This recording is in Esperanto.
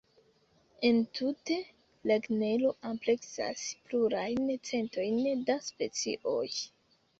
Entute la genro ampleksas plurajn centojn da specioj.